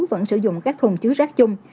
vẫn sử dụng các thùng chứ rác chung